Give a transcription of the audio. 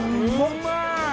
うまい！